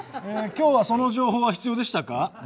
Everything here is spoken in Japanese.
今日はその情報は必要でしたか？